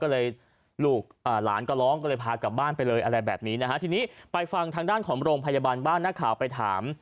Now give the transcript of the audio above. ก็เลยลูกหลานก็ร้องก็เลยพากลับบ้านไปเลยอะไรแบบนี้นะฮะทีนี้ไปฟังทางด้านของโรงพยาบาลบ้านนักข่าวไปถาม